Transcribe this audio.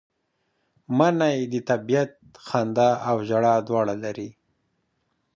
منی د طبیعت خندا او ژړا دواړه لري